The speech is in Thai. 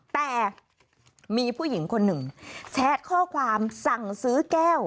แต่มีผู้หญิงคนหนึ่งแชทข้อความสั่งซื้อแก้ว